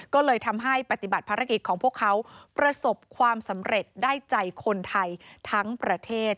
ก็เลยทำให้ปฏิบัติภารกิจของพวกเขาประสบความสำเร็จได้ใจคนไทยทั้งประเทศ